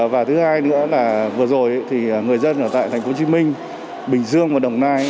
và thứ hai nữa là vừa rồi thì người dân ở tại tp hcm bình dương và đồng nai